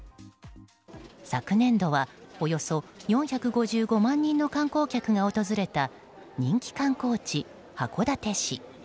昨年度はおよそ４５５万人の観光客が訪れた人気観光地、函館市。